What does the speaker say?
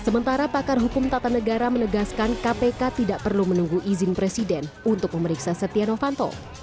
sementara pakar hukum tata negara menegaskan kpk tidak perlu menunggu izin presiden untuk memeriksa setia novanto